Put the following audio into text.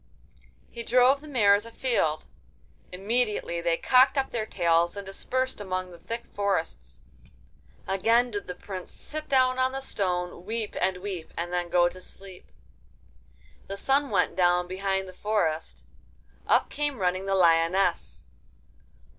He drove the mares afield. Immediately they cocked up their tails and dispersed among the thick forests. Again did the Prince sit down on the stone, weep and weep, and then go to sleep. The sun went down behind the forest. Up came running the lioness.